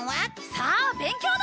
さあ勉強だ！